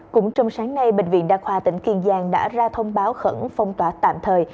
cũng trong sáng nay bệnh viện đa khoa tỉnh kiên giang đã ra thông báo khẩn phong tỏa tạm thời